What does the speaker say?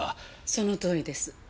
そのとおりです。